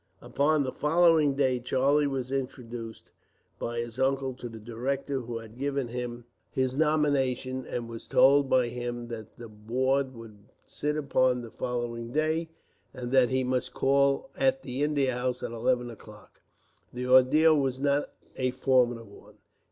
Upon the following day Charlie was introduced, by his uncle, to the director who had given him his nomination, and was told by him that the board would sit upon the following day, and that he must call at the India House, at eleven o'clock. The ordeal was not a formidable one.